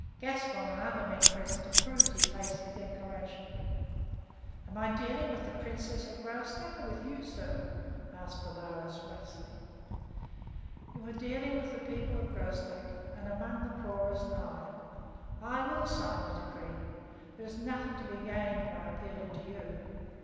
Gaspon and other men present approved his hasty declaration. "Am I dealing with the Princess of Graustark or with you, sir?" asked Bolaroz, roughly. "You are dealing with the people of Graustark, and among the poorest, I. I will sign the decree. There is nothing to be gained by appealing to you.